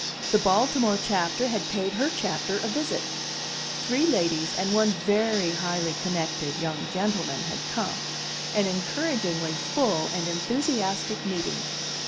The Baltimore Chapter had paid her Chapter a visit. Three ladies and one very highly connected young gentleman had come an encouragingly full and enthusiastic meeting.